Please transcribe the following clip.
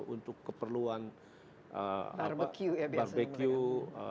untuk keperluan barbeque